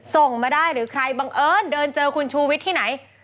ส่งมาได้หรือใครบังเอิญเดินเจอคุณชูวิทย์ที่ไหน